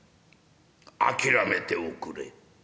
諦めておくれ』。